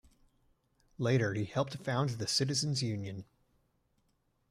Later he helped found the Citizens Union.